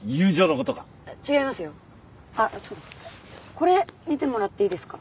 これ見てもらっていいですか？